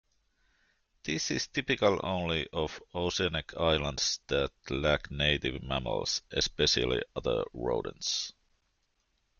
This is typical only of oceanic islands that lack native mammals, especially other rodents.